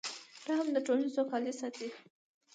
رحم د ټولنې سوکالي ساتي.